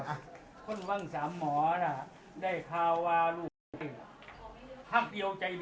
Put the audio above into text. สวัสดีครับ